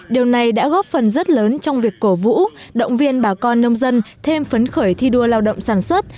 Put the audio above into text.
điều này đã góp phần rất lớn trong việc cổ vũ động viên bà con nông dân thêm phấn khởi thi đua lao động sản xuất